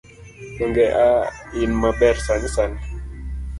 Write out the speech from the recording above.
donge a in maber sani sani?